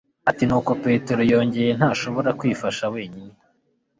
ati ni uko petero yongeye, ntashobora kwifasha wenyine